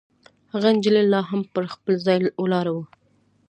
هغه نجلۍ لا هم پر خپل ځای ولاړه وه.